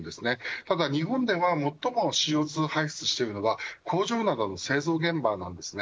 ただ日本では、最もＣＯ２を排出しているのが工場などの製造現場です。